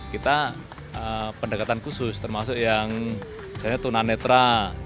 kita pendekatan khusus termasuk yang misalnya tunanetra